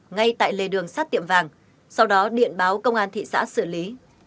ngay tại lề đường sát tiệm vàng sau đó điện báo công an thị xã xử lý